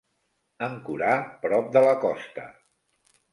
Ancorar prop de la costa.